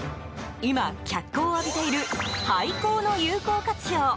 今、脚光を浴びている廃校の有効活用。